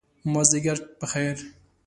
مازدیګر په خیر !